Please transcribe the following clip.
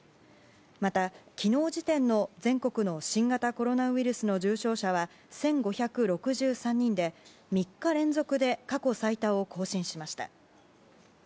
また、昨日時点の全国の新型コロナウイルスの重症者は１５６３人で３日連続で過去最多を更新しました。